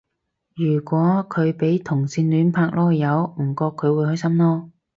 如果佢俾同性拍籮柚唔覺佢會開心囉